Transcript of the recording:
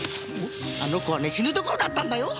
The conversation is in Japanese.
あの子はね死ぬところだったんだよ！